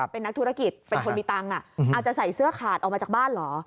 เป็นนักธุรกิจเป็นคนมีตังค์อาจจะใส่เสื้อขาดออกมาจากบ้านเหรอ